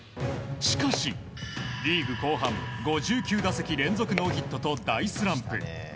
しかし、リーグ後半５９打席連続ノーヒットと大スランプ。